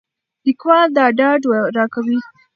لیکوال دا ډاډ راکوي.